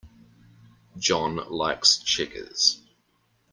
John likes checkers.